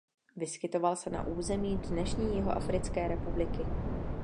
Vyskytoval se na území dnešní Jihoafrické republiky.